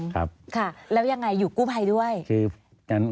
แล้วยังไงอยู่กู้ภัยด้วย